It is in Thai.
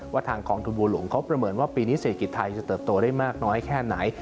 ทางกองทุนบัวหลวงเขาประเมินว่าปีนี้เศรษฐกิจไทยจะเติบโตได้มากน้อยแค่ไหน